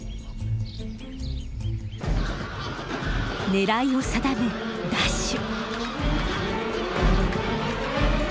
狙いを定めダッシュ！